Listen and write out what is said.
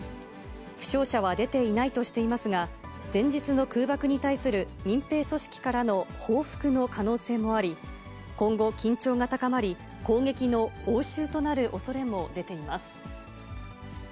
負傷者は出ていないとしていますが、前日の空爆に対する民兵組織からの報復の可能性もあり、今後、緊張が高まり、攻撃の応酬となるおそれも出ています。